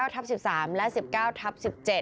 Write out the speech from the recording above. ทับ๑๓และ๑๙ทับ๑๗